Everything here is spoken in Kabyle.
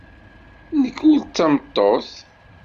Nekk ur d tameṭṭut.